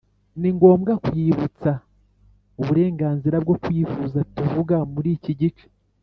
ni ngombwa kwibutsa uburenganzira bwo kwivuza tuvuga muri iki gice